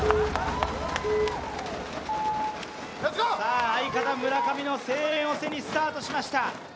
さぁ、相方・村上の声援を背にスタートしました。